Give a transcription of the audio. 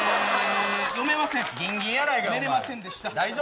寝れませんでした。